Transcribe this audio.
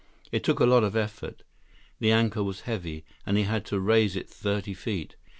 It took a lot of effort. The anchor was heavy, and he had to raise it thirty feet.